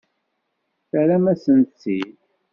Terram-asen-tt-id.